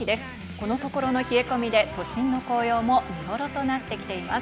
このところの冷え込みで都心の紅葉も見頃となってきています。